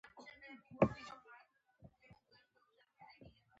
• د یو ښکلي خیال د جوړولو ته کښېنه.